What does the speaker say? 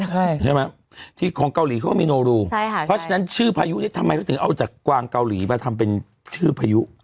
ใช่ไหมที่ของเกาหลีเขาก็มีโนรูใช่ค่ะเพราะฉะนั้นชื่อพายุเนี่ยทำไมเขาถึงเอาจากกวางเกาหลีมาทำเป็นชื่อพายุ